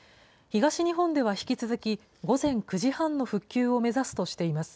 東日本では引き続き午前９時半の復旧を目指すとしています。